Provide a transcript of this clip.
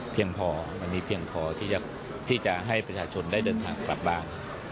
เพียงพอมันมีเพียงพอที่จะให้ประชาชนได้เดินทางกลับบ้าน